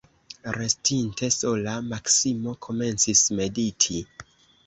Restinte sola, Maksimo komencis mediti.